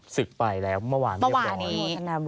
ศึกไปแล้วเมื่อวานเรียบร้อย